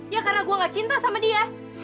ya karena gue gak cinta sama dia